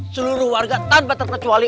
seluruh warga tanpa terkecuali